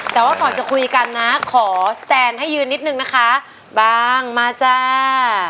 แต่ว่าก่อนจะคุยกันนะขอสแตนให้ยืนนิดนึงนะคะบางมาจ้า